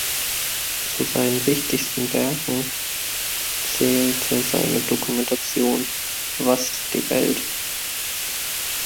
Zu seinen wichtigsten Werke zählte seine Dokumentation "Was ist die Welt?